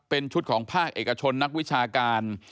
เป็นชุดของภาคเอกชนนักวิชาการ